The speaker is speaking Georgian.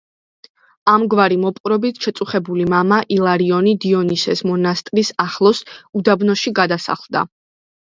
ამგვარი მოპყრობით შეწუხებული მამა ილარიონი დიონისეს მონასტრის ახლოს, უდაბნოში გადასახლდა.